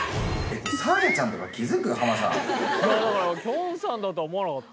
だからきょんさんだとは思わなかった。